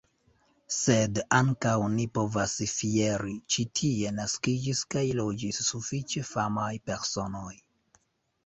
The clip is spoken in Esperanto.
Sed ankaŭ ni povas fieri – ĉi tie naskiĝis kaj loĝis sufiĉe famaj personoj.